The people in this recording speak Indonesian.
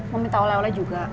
mau minta oleh oleh juga